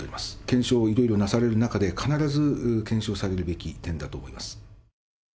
検証をいろいろなされる中で、必ず検証されるべき点だと思います。